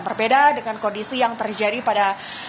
berbeda dengan kondisi yang terjadi pada